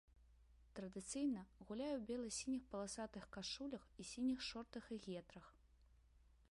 Традыцыйна гуляе ў бела-сініх паласатых кашулях і сініх шортах і гетрах.